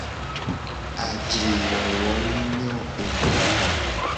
Ajre wowo mu nyo o.